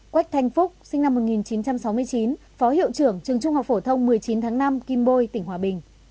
quách thanh phúc sinh năm một nghìn chín trăm sáu mươi chín phó hiệu trưởng trường trung học phổ thông một mươi chín tháng năm kim bôi tỉnh hòa bình